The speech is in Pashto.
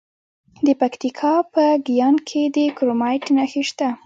د پکتیکا په ګیان کې د کرومایټ نښې شته.